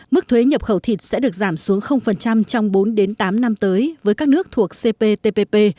mức thuế nhập khẩu thịt sẽ được giảm xuống trong bốn đến tám năm tới với các nước thuộc cptpp